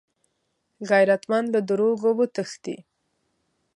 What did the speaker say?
غیرتمند له دروغو وتښتي